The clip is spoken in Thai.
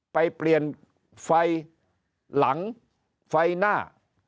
ไปเปลี่ยนไฟหลังไฟหน้า